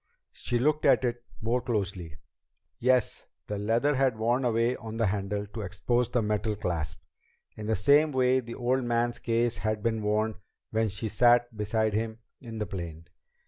She looked at it more closely. Yes, the leather had worn away on the handle to expose the metal clasp, in the same way the old man's case had been worn when she sat beside him in the plane.